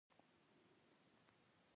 بهلول سمدستي په ځواب کې وویل: نه.